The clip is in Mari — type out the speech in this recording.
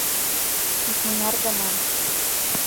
Икмыняр гана.